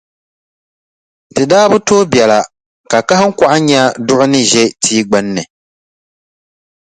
Di daa bi tooi biɛla ka kahiŋkɔɣu nya duɣu ni ʒe tia gbunni,